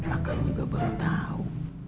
aku juga baru tau